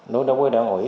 đối với đảng quỹ